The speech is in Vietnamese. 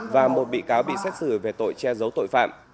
và một bị cáo bị xét xử về tội che giấu tội phạm